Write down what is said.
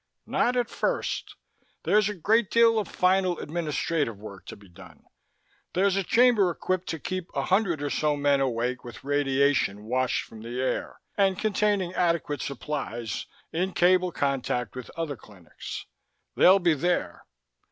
"Not at first. There's a great deal of final administrative work to be done. There's a chamber equipped to keep a hundred or so men awake with radiation washed from the air, and containing adequate supplies, in cable contact with other clinics. They'll be there.